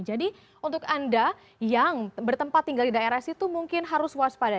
jadi untuk anda yang bertempat tinggal di daerah situ mungkin harus waspada